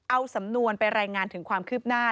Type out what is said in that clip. เอาสำนวนไปรายงานถึงความคืบหน้า